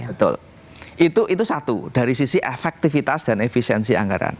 betul itu satu dari sisi efektivitas dan efisiensi anggaran